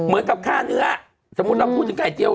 เหมือนกับค่าเนื้อสมมุติเราพูดถึงไก่เจียว